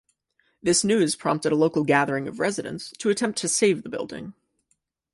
This news prompted a local gathering of residents to attempt to save the building.